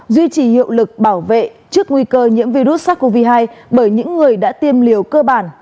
duy trì hiệu lực bảo vệ trước nguy cơ nhiễm virus sars cov hai bởi những người đã tiêm liều cơ bản